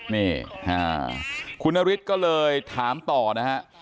นี่ค่ะคุณนาริสก็เลยถามต่อนะฮะ